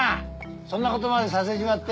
そんなことまでさせちまって。